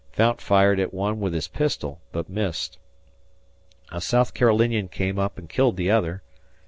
Fount fired at one with his pistol, but missed. A South Carolinian came up and killed the other.